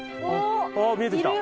あっ見えて来た。